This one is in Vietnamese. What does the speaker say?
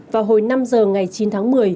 vào hồi năm giờ ngày chín tháng một mươi